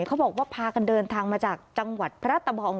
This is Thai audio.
เขาบอกว่าพากันเดินทางมาจากจังหวัดพระตะบอง